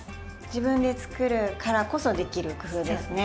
自分で作るからこそできる工夫ですね。